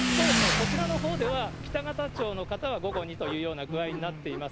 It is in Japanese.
こちらのほうでは北方町の方は午後にという具合になっています。